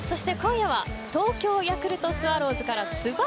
そして今夜は東京ヤクルトスワローズからつば